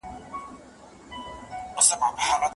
رهبران تل په خپله موخه او ماموریت باندې پوهېږي.